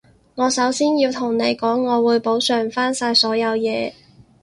我首先要同你講，我會補償返晒所有嘢